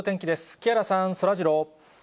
木原さん、そらジロー。